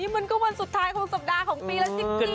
มันก็วันสุดท้ายครบสัปดาห์ของปีแล้วจริง